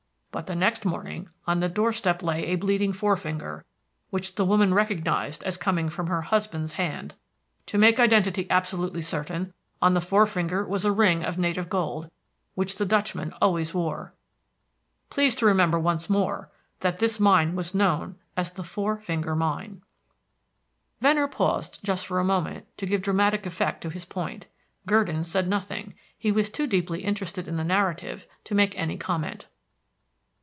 But the next morning, on the doorstep lay a bleeding forefinger, which the woman recognised as coming from her husband's hand. To make identity absolutely certain, on the forefinger was a ring of native gold, which the Dutchman always wore. Please to remember once more that this mine was known as the Four Finger Mine." Venner paused just for a moment to give dramatic effect to his point. Gurdon said nothing; he was too deeply interested in the narrative to make any comment.